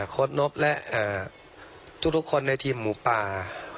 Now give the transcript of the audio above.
นบและทุกคนในทีมหมูป่า